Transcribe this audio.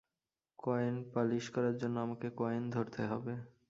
Coin polish করার জন্যে আমাকে কয়েন ধরতে হবে।